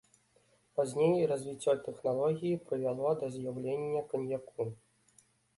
Пазней развіццё тэхналогіі прывяло да з'яўлення каньяку.